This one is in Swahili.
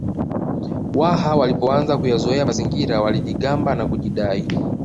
Waha walipoanza kuyazoea mazingira walijigamba na kujidai